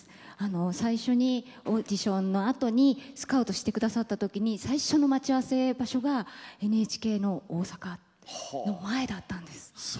最初にオーディションのあとスカウトしてくださった時に最初の待ち合わせがＮＨＫ大阪の前だったんです。